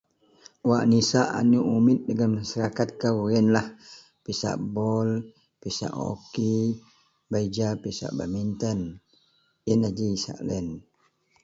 Wak nisak aneak umit dagen masarakat kou yenlah pisak bol, pisak hok, bei ja pisak badminton. Yenlah ji isak loyen